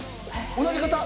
同じ方？